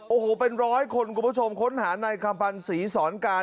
โอ้โหเป็นร้อยคนคุณผู้ชมค้นหาในคำพันธ์ศรีสอนการ